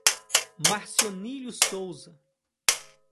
Marcionílio Souza